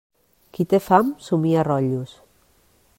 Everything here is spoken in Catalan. Qui té fam somia rotllos.